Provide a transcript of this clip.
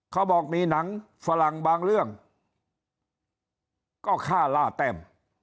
เขาบอกมีหนังฝรั่งบางเรื่องก็ฆ่าล่าแต้ม